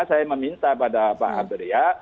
saya meminta pada pak aberia